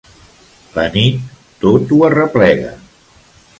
La nit tot ho arreplega.